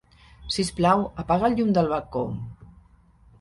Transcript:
Sisplau, apaga el llum del balcó.